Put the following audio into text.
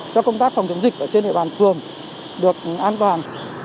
cho công tác phòng chống dịch ở trên địa bàn phường được an toàn